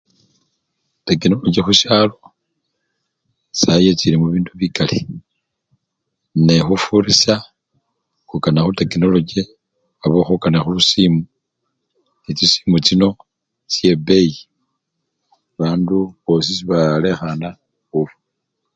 Tekinologyi khushalo sayi yechilemo bibindu bikali ne khufurisha nga okaninakha khutekinologyi aba olkhokanikha khulusimu, nechisimu thino chebeyi bandu bosi sebalekhana efuna.